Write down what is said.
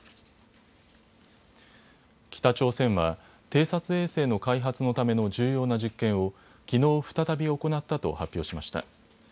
北朝鮮は偵察衛星の開発のための重要な実験をきのう再び行ったと発表しました。